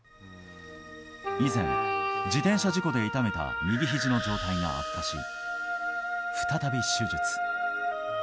以前、自転車事故で痛めた右ひじの状態が悪化し、再び手術。